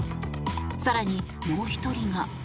更に、もう１人が。